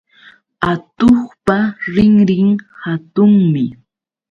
Atuqpa rinrin hatunmi